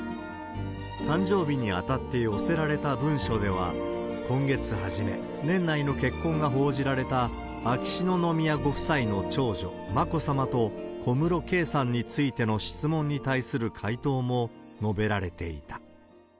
誕生日にあたって寄せられた文書では、今月初め、年内の結婚が報じられた秋篠宮ご夫妻の長女、眞子さまと小室圭さんについての質問に対する回答も述べられていた。